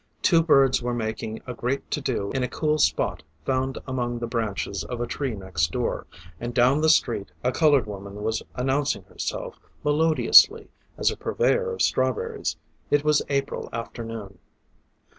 Two birds were making a great to do in a cool spot found among the branches of a tree next door, and down the street a colored woman was announcing herself melodiously as a purveyor of strawberries. It was April afternoon.